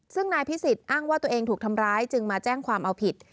ซึ่งนายพิสิทธิอ้างว่าตัวเองถูกทำร้ายจึงมาแจ้งความเอาผิด